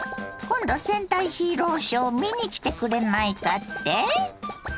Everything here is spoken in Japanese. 今度戦隊ヒーローショー見に来てくれないかって？